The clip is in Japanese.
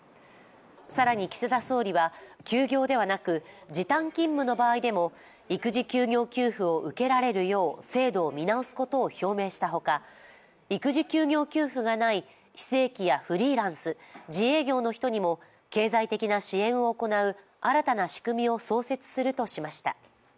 更に岸田総理は、休業ではなく時短勤務の場合でも育児休業給付を受けられるよう、制度を見直すことを表明したほか育児休業給付がない非正規やフリーランス、自営業の人にも経済的な支援を行う新たな仕組みを創設するとしました。